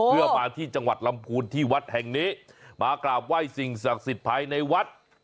เพื่อมาที่จังหวัดลำพูนที่วัดแห่งนี้มากราบไหว้สิ่งศักดิ์สิทธิ์ภายในวัด